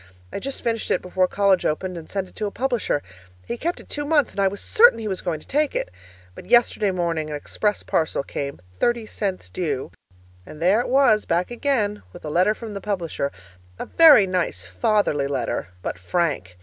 I just finished it before college opened and sent it to a publisher. He kept it two months, and I was certain he was going to take it; but yesterday morning an express parcel came (thirty cents due) and there it was back again with a letter from the publisher, a very nice, fatherly letter but frank!